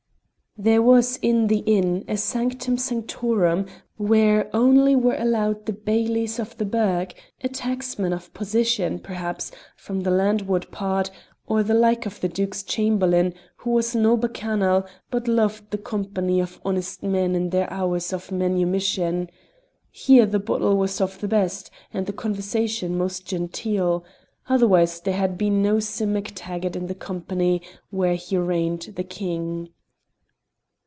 There was in the inn a sanctum sanctorum where only were allowed the bailies of the burgh, a tacksman of position, perhaps, from the landward part, or the like of the Duke's Chamberlain, who was no bacchanal, but loved the company of honest men in their hours of manumission. Here the bottle was of the best, and the conversation most genteel otherwise there had been no Sim MacTaggart in the company where he reigned the king.